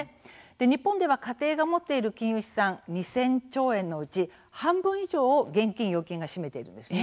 日本では、家庭が持っている金融資産２０００兆円のうち半分以上を現金・預金が占めているんですね。